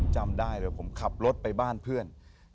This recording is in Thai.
จำได้เลยผมขับรถไปบ้านเพื่อน